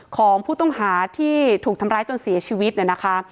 ของผู้ต้องหาที่ถูกทำร้ายจนเสียชีวิตเนี่ยนะคะ